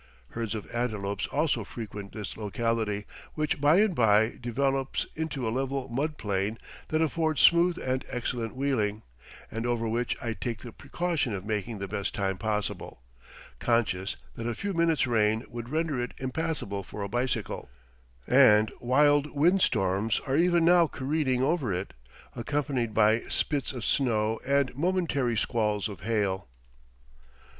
Herds of antelope also frequent this locality, which by and by develops into a level mud plain that affords smooth and excellent wheeling, and over which I take the precaution of making the best time possible, conscious that a few minutes' rain would render it impassable for a bicycle; and wild wind storms are even now careering over it, accompanied by spits of snow and momentary squalls of hail.